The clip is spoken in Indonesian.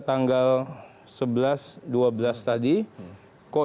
tanggal sebelas dua belas tadi